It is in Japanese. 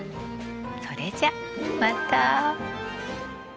それじゃまた。